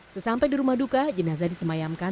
sesampai di rumah duka jenazah disemayamkan